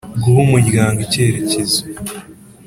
Guha umuryango icyerekezo